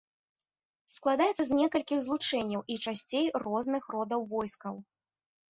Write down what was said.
Складаецца з некалькіх злучэнняў і часцей розных родаў войскаў.